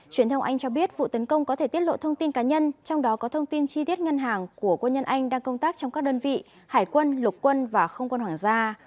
truyền thông anh cho biết vụ tấn công có thể tiết lộ thông tin cá nhân trong đó có thông tin chi tiết ngân hàng của quân nhân anh đang công tác trong các đơn vị hải quân lục quân và không quân hoàng gia